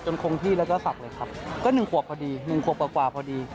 จนคงที่แล้วก็สักเลยครับก็หนึ่งขวบพอดีหนึ่งขวบกว่าพอดี